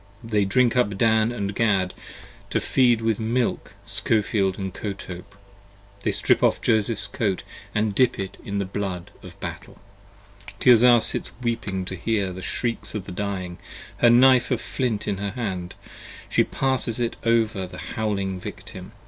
They drink up Dan & Gad, to feed with milk Skofeld & Kotope: They strip off Joseph's Coat & dip it in the blood of battle. Tirzah sits weeping to hear the shrieks of the dying: her Knife 25 Of flint is in her hand: she passes it over the howling Victim.